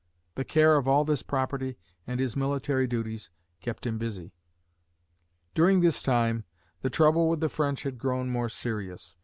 The care of all this property and his military duties kept him busy. During this time, the trouble with the French had grown more serious.